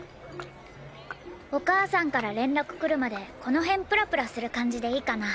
お母さんから連絡来るまでこの辺プラプラする感じでいいかな？